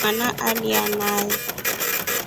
Mwana alya nai.